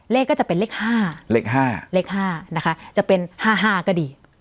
เลขก็จะเป็นเลขห้าเลขห้าเลขห้านะคะจะเป็นห้าห้าก็ดี